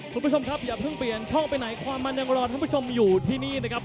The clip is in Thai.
คุณผู้ชมครับอย่าเพิ่งเปลี่ยนช่องไปไหนความมันยังรอท่านผู้ชมอยู่ที่นี่นะครับ